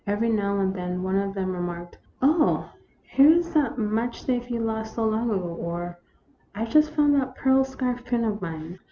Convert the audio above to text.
Every now and then one of them remarked, " Oh ! here is that match safe you lost so long ago ;" or, " I 've just found that pearl scarf pin of mine."